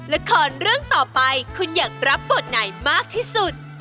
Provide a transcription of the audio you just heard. ละครเรื่องต่อไปคุณอยากรับบทไหนมากที่สุด